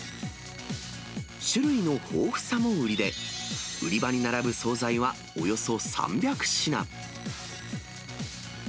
種類の豊富さも売りで、売り場に並ぶ総菜はおよそ３００品。